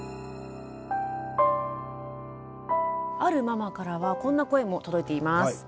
あるママからはこんな声も届いています。